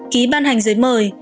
ký ban hành giấy mời